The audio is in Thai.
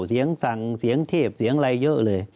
เสียงสั่งเสียงเทพเสียงอะไรเยอะเลย